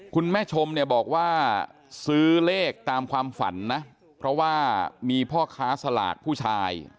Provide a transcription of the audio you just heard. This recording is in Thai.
คุณแม่ชมเนี่ยบอกว่าซื้อเลขตามความฝันนะเพราะว่ามีพ่อค้าสลากผู้ชาย